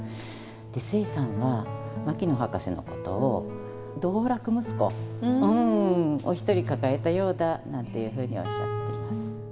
で壽衛さんは牧野博士のことを道楽息子を一人抱えたようだなんていうふうにおっしゃっています。